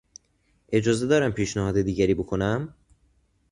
اجازه دارم پیشنهاد دیگری بکنم؟